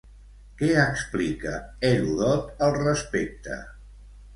Què explica Heròdot al respecte?